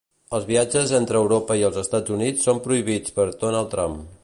Els viatges entre Europa i els Estats Units són prohibits per Donald Trump.